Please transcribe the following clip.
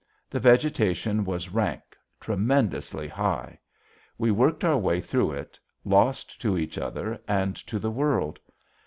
The vegetation was rank, tremendously high. We worked our way through it, lost to each other and to the world.